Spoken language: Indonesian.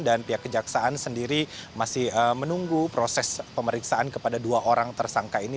dan pihak kejaksaan sendiri masih menunggu proses pemeriksaan kepada dua orang tersangka ini